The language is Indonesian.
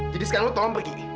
jadi sekarang lo tolong pergi